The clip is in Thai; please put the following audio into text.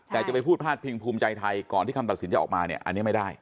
แต่จะไปพูดพลาดพิงภูมิใจไทยก่อนที่คำตัดสินจะออกมาเนี่ยอันนี้ไม่ได้